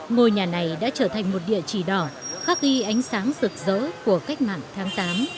ngôi nhà này đã trở thành một địa chỉ đỏ khắc ghi ánh sáng rực rỡ của cách mạng tháng tám